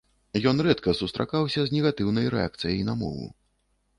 Ён рэдка сустракаўся з негатыўнай рэакцыяй на мову.